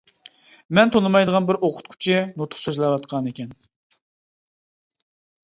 مەن تونۇمايدىغان بىر ئوقۇتقۇچى نۇتۇق سۆزلەۋاتقانىكەن.